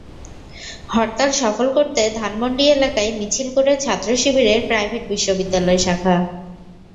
হরতাল সফল করতে ধানমন্ডি এলাকায় মিছিল করে ছাত্রশিবিরের প্রাইভেট বিশ্ববিদ্যালয় শাখা।